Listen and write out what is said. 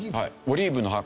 オリーブの葉